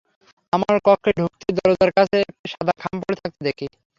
আমার কক্ষে ঢুকতেই দরজার কাছে একটি সাদা খাম পড়ে থাকতে দেখি।